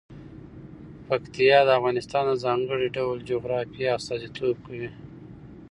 پکتیا د افغانستان د ځانګړي ډول جغرافیه استازیتوب کوي.